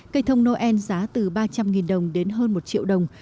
cây thông noel giá từ ba trăm linh đồng đến hơn một triệu đồng